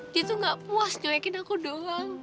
dia tuh gak puas nyolekin aku doang